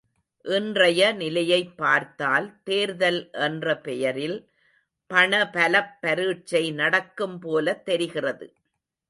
இன்றைய நிலையைப் பார்த்தால் தேர்தல் என்ற பெயரில் பணபலப் பரீட்சை நடக்கும்போலத் தெரிகிறது.